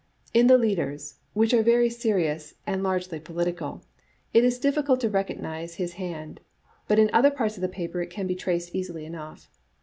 In the leaders, which are very serious and largely political, it is difficult to recognize his hand, but in other parts of the paper it can be traced easily enough.